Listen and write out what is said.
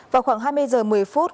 vào khoảng hai mươi h một mươi phút